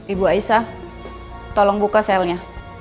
ibu aisah tolong buka selnya